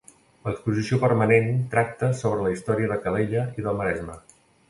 L'exposició permanent tracta sobre la història de Calella i del Maresme.